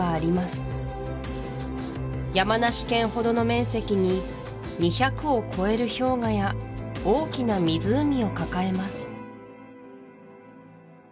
山梨県ほどの面積に２００を超える氷河や大きな湖を抱えます